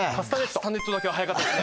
カスタネットだけは早かったです。